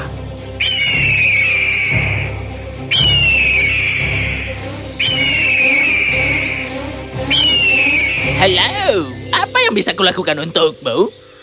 halo apa yang bisa kulakukan untukmu